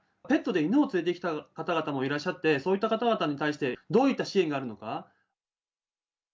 ペットで犬を連れてきた方もいらっしゃって、そういった方々にどういった支援があるのか。